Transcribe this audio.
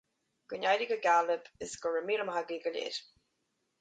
Go n-éirí go geal libh is go raibh míle maith agaibh go léir